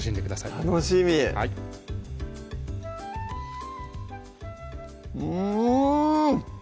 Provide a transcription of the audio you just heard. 楽しみうん！